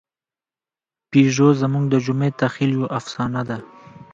پيژو زموږ د جمعي تخیل یوه افسانه ده.